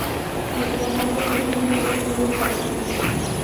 El formato seguía un esquema establecido.